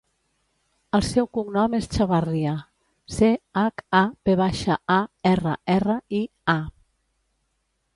El seu cognom és Chavarria: ce, hac, a, ve baixa, a, erra, erra, i, a.